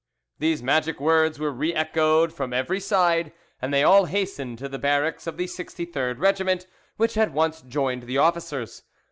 These magic words were re echoed from every side, and they all hastened to the barracks of the 63rd Regiment, which at once joined the officers.